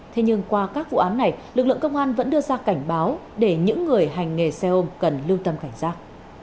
thế nhưng qua các vụ án này lực lượng công an vẫn đưa ra cảnh báo để những người hành nghề xe ôm cần lưu tâm cảnh giác